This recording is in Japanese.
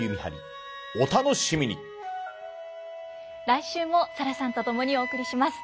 来週もサラさんと共にお送りします。